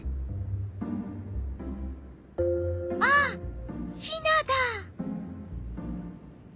あっヒナだ！